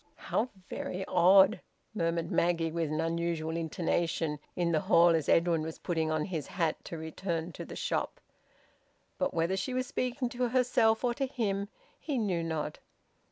"How very odd!" murmured Maggie, with an unusual intonation, in the hall, as Edwin was putting on his hat to return to the shop. But whether she was speaking to herself or to him, he knew not.